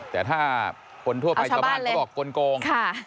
แต่ถ้าคนทั่วไปชาวบ้านเขาบอกกลง